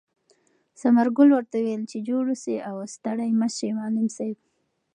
ثمر ګل ورته وویل چې جوړ اوسې او ستړی مه شې معلم صاحب.